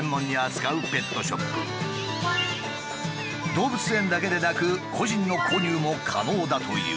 動物園だけでなく個人の購入も可能だという。